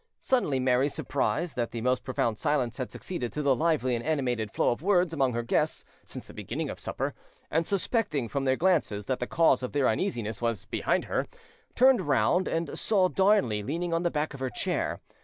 Suddenly Mary, surprised that the most profound silence had succeeded to the lively and animated flow of words among her guests since the beginning of supper, and suspecting, from their glances, that the cause of their uneasiness was behind her, turned round and saw Darnley leaning on the back of her chair.